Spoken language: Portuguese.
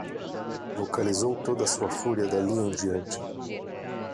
Vocalizou toda a sua fúria dali em diante